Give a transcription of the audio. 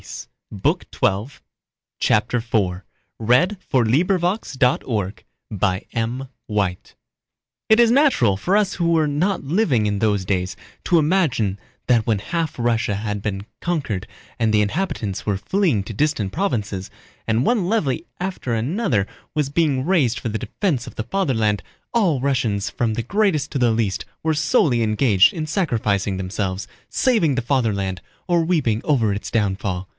With an inclination of the head the Emperor dismissed him. CHAPTER IV It is natural for us who were not living in those days to imagine that when half Russia had been conquered and the inhabitants were fleeing to distant provinces, and one levy after another was being raised for the defense of the fatherland, all Russians from the greatest to the least were solely engaged in sacrificing themselves, saving their fatherland, or weeping over its downfall.